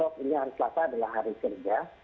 ini hari selasa adalah hari kerja